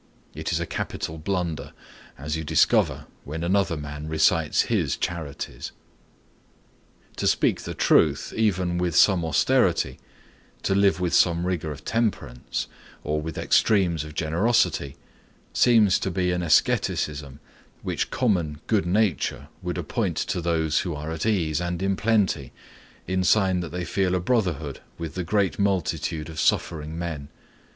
It is a capital blunder; as you discover when another man recites his charities. To speak the truth, even with some austerity, to live with some rigor of temperance, or some extremes of generosity, seems to be an asceticism which common good nature would appoint to those who are at ease and in plenty, in sign that they feel a brotherhood with the great multitude of suffering men.